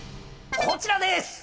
こちらです！